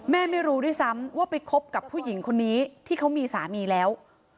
ไม่รู้ด้วยซ้ำว่าไปคบกับผู้หญิงคนนี้ที่เขามีสามีแล้ว